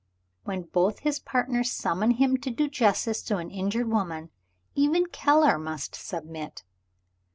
When both his partners summon him to do justice to an injured woman, even Keller must submit!"